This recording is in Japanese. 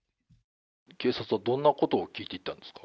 警察はどんなことを聞いていったんですか。